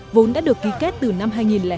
vốn đã được ký kết từ năm hai nghìn chín